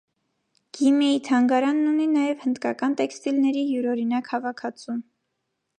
Գիմեի թանգարանն ունի նաև հնդկական տեքստիլների յուրօրինակ հավաքածու։